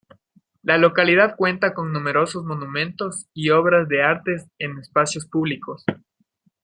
La localidad cuenta con numerosos monumentos y obras de artes en espacios públicos.